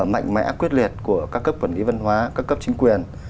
mạnh mẽ quyết liệt của các cấp quản lý văn hóa các cấp chính quyền